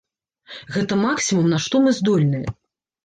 Гэта максімум, на што мы здольныя.